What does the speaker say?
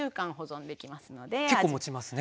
結構もちますね。